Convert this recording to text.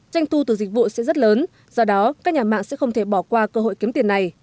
doanh thu từ dịch vụ sẽ rất lớn do đó các nhà mạng sẽ không thể bỏ qua cơ hội kiếm tiền này